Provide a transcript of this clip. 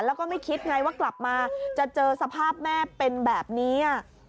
แล้วก็ไม่คิดไงว่ากลับมาจะเจอสภาพแม่เป็นแบบนี้